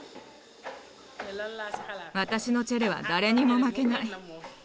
私のチェレは誰にも負けない。